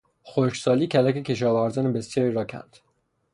خشکسالی کلک کشاورزان بسیاری را کند.